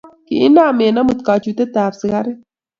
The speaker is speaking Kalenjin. Kikinam ine amu kachutet ab sigaret